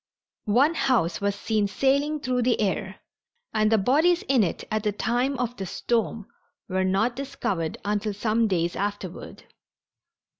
One house was seen sailing through the air, and the bodies in it at the time of the storm were not discovered until some days afterward.